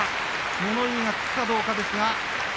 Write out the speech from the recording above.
物言いがつくかどうか。